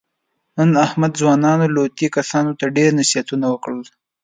نن احمد ځوانو لوطي کسانو ته ډېر نصیحتونه وکړل.